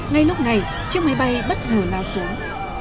ngay lúc này chiếc máy bay bất ngờ lao xuống